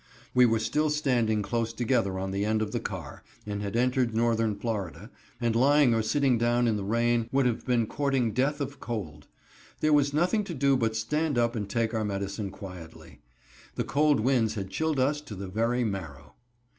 We were still standing close together on the end of the car, and had entered Northern Florida, and lying or sitting down in the rain would have been courting death of cold. There was nothing to do but stand up and take our medicine quietly. The cold winds had chilled us to the very marrow.